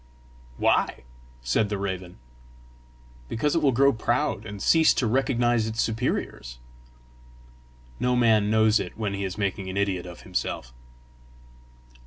"Why?" said the raven. "Because it will grow proud, and cease to recognise its superiors." No man knows it when he is making an idiot of himself.